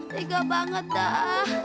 tiga banget dah